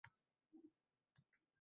Bolalar savollar orqali o‘rganadilar